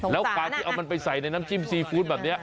แล้วการที่เอามันไปใส่ในน้ำจิ้มซีฟู้ดแบบนี้